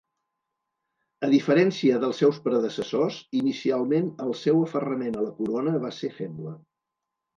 A diferència dels seus predecessors, inicialment el seu aferrament a la corona va ser feble.